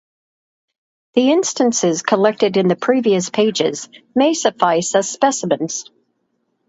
The instances collected in the previous pages may suffice as specimens.